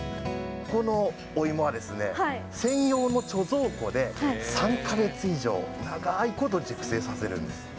このお芋はですね、専用の貯蔵庫で３か月以上長いこと熟成させるんです。